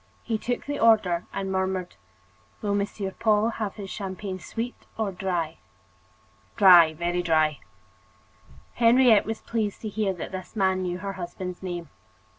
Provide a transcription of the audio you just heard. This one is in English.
He took the order and murmured: "Will Monsieur Paul have his champagne sweet or dry?" "Dry, very dry." Henriette was pleased to hear that this man knew her husband's name.